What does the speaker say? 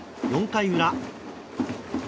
４回裏。